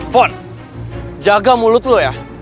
font jaga mulut lo ya